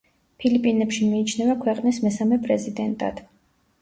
ფილიპინებში მიიჩნევა ქვეყნის მესამე პრეზიდენტად.